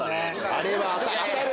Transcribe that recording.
あれは当たる。